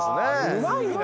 うまいな。